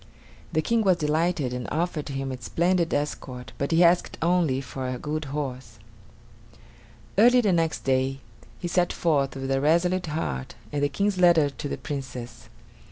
The King was delighted and offered him a splendid escort, but he asked only for a good horse. Early the next day he set forth, with a resolute heart and the King's letter to the Princess.